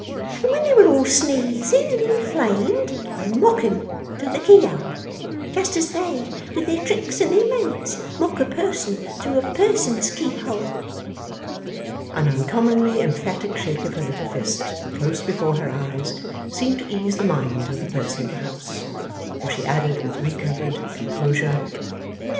And when they were all sneezing and inflamed, I'd mock 'em through the keyhole. Just as they, with their tricks and their manners, mock a person through a person's keyhole!' An uncommonly emphatic shake of her little fist close before her eyes, seemed to ease the mind of the person of the house; for she added with recovered composure, 'No, no, no.